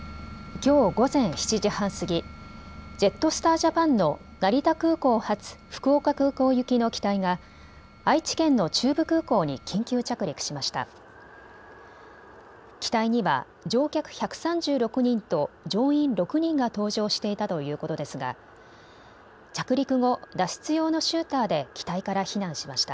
きょう午前７時半過ぎ、ジェットスター・ジャパンの成田空港発、福岡空港行きの機体が愛知県の中部空港に緊急着陸しました。